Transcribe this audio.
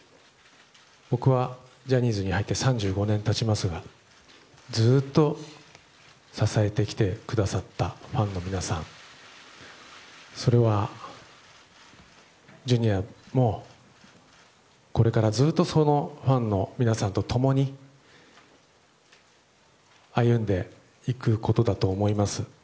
僕はジャニーズに入って３５年が経ちますがずっと支えてきてくださったファンの皆さんそれは、Ｊｒ．もこれからずっとファンの皆さんと共に歩んでいくことだと思います。